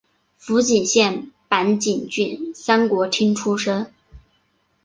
福井县坂井郡三国町出身。